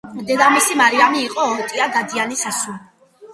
დედამისი მარიამი იყო ოტია დადიანის ასული.